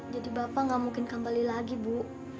jadi bapak gak mungkin kembali lagi bu